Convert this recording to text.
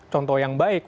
contoh yang baik